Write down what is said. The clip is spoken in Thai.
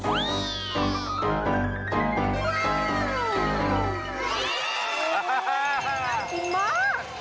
อร่อยกินมาก